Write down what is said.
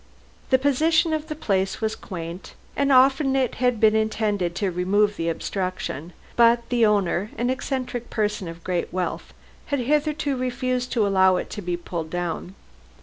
The position of the place was quaint, and often it had been intended to remove the obstruction, but the owner, an eccentric person of great wealth, had hitherto refused to allow it to be pulled down.